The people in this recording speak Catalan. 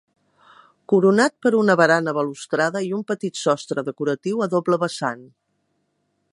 Coronat per una barana balustrada i un petit sostre decoratiu a doble vessant.